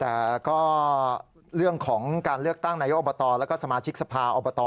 แต่ก็เรื่องของการเลือกตั้งนายกอบตแล้วก็สมาชิกสภาอบต